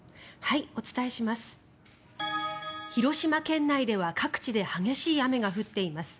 広島県内では各地で激しい雨が降っています。